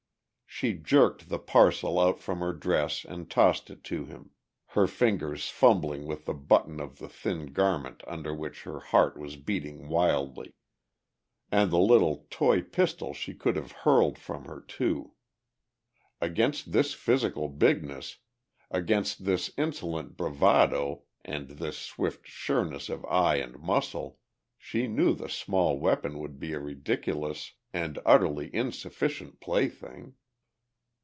She jerked the parcel out from her dress and tossed it to him, her fingers fumbling with the button of the thin garment under which her heart was beating wildly. And the little "toy pistol" she could have hurled from her, too. Against this physical bigness, against this insolent bravado and this swift sureness of eye and muscle, she knew the small weapon to be a ridiculous and utterly insufficient plaything.